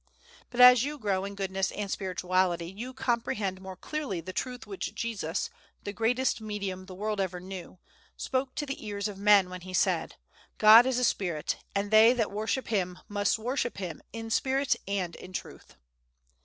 But as you grow in goodness and spirituality, you comprehend more clearly the truth which Jesus, the greatest Medium the world ever knew, spoke to the ears of men, when he said, "God is a Spirit, and they that worship him must worship him in spirit and in truth."